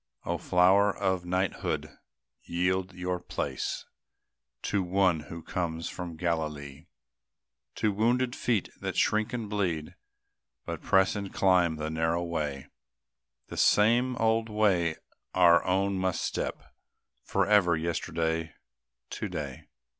O flower of knighthood, yield your place To One who comes from Galilee! To wounded feet that shrink and bleed, But press and climb the narrow way, The same old way our own must step, Forever, yesterday, to day.